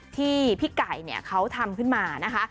ที่พี่ไก่เขาทำขึ้นมานะคะ